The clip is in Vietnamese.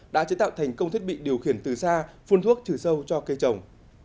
đã chế tạo thành công thiết bị điều khiển từ xa phun thuốc trừ sâu cho cây trồng